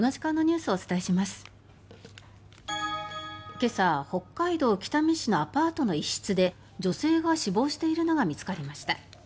今朝、北海道北見市のアパートの一室で女性が死亡しているのが見つかりました。